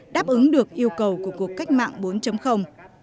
đáp ứng được yêu cầu của cuộc cách mạng bốn